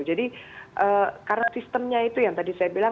jadi karena sistemnya itu yang tadi saya bilang